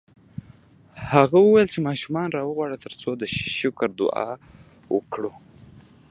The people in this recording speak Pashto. هغه وویل چې ماشومان راوغواړه ترڅو د شکر دعا وکړو